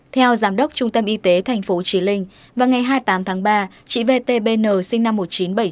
theo giám đốc trung tâm y tế tp chí linh vào ngày hai mươi tám tháng ba chị vt bn sinh năm một nghìn chín trăm bảy mươi chín